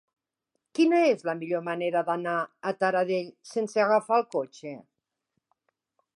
Quina és la millor manera d'anar a Taradell sense agafar el cotxe?